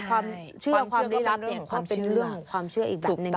ความเชื่อความลี้ลับเนี่ยความเป็นเรื่องของความเชื่ออีกแบบนึง